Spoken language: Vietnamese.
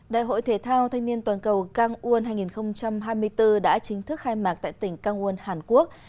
đại hội thể thao thanh niên toàn cầu cang un hai nghìn hai mươi bốn đã chính thức khai mạc tại tỉnh kangwon hàn quốc